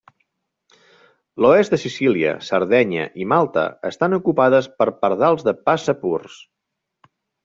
L'oest de Sicília, Sardenya i Malta estan ocupades per Pardals de passa purs.